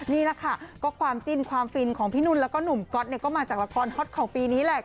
นี่แหละค่ะก็ความจิ้นความฟินของพี่นุ่นแล้วก็หนุ่มก๊อตเนี่ยก็มาจากละครฮอตของปีนี้แหละ